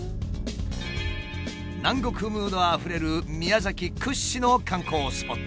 南国ムードあふれる宮崎屈指の観光スポット。